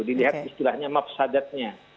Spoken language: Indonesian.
dilihat istilahnya mafsadatnya